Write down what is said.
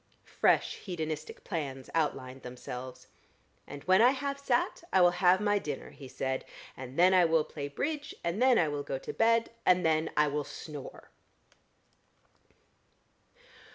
Fresh hedonistic plans outlined themselves. "And when I have sat, I will have my dinner," he said. "And then I will play Bridge, and then I will go to bed, and then I will snore!"